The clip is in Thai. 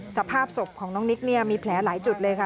สภาพศพของน้องนิกเนี่ยมีแผลหลายจุดเลยค่ะ